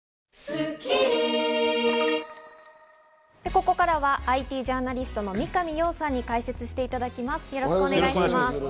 ここからはＩＴジャーナリストの三上洋さんに参加していただきます。